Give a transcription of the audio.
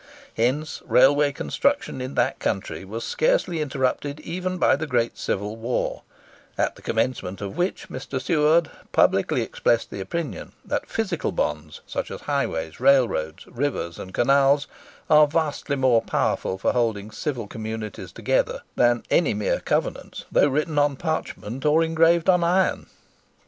Hence railway construction in that country was scarcely interrupted even by the great Civil War,—at the commencement of which Mr. Seward publicly expressed the opinion that "physical bonds—such as highways, railroads, rivers, and canals—are vastly more powerful for holding civil communities together than any mere covenants, though written on parchment or engraved on iron."